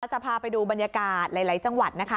จะพาไปดูบรรยากาศหลายจังหวัดนะคะ